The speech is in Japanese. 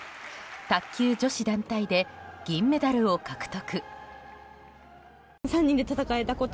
卓球女子団体で銀メダルを獲得。